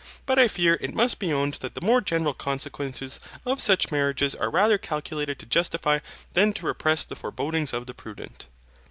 But I fear it must be owned that the more general consequences of such marriages are rather calculated to justify than to repress the forebodings of the prudent.